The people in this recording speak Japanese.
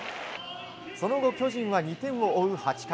その後、巨人は２点を追う８回。